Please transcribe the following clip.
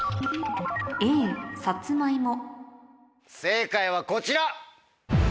正解はこちら。